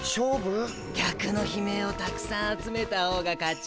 客の悲鳴をたくさん集めたほうが勝ち。